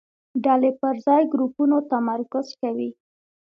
ډلې پر ځای ګروپونو تمرکز کوي.